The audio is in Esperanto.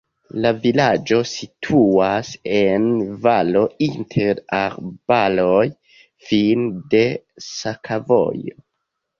La vilaĝo situas en valo inter arbaroj, fine de sakovojo.